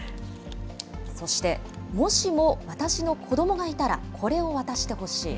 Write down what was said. そして、もしも私の子どもがいたら、これを渡してほしい。